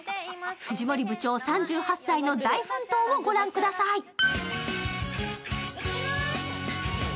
藤森部長３８歳の大奮闘を御覧ください。